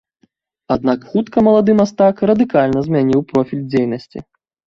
Аднак хутка малады мастак радыкальна змяніў профіль дзейнасці.